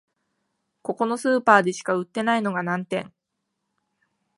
ここのスーパーでしか売ってないのが難点